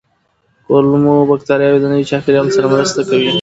کولمو بکتریاوې د نوي چاپېریال سره مرسته کوي.